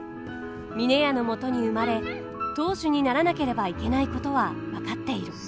峰屋のもとに生まれ当主にならなければいけないことは分かっている。